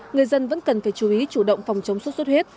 người dân vẫn cần phải chú ý chủ động phòng chống sốt xuất huyết